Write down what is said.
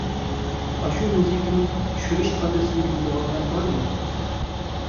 ئاشۇ مۇزىكىنىڭ چۈشۈرۈش ئادرېسىنى بىلىدىغانلار بارمۇ؟